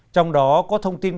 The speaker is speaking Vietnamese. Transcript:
trong đó có thông tin